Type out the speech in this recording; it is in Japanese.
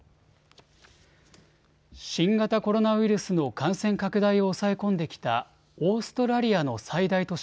新型コロナウイルスの感染拡大を抑え込んできたオーストラリアの最大都市